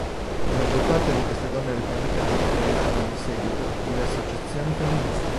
La maggior parte di queste donne repubblicane creeranno, in seguito, delle associazioni femministe.